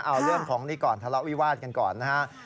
เอาเรื่องของนี่ก่อนทะเลาะวิวาสกันก่อนนะฮะ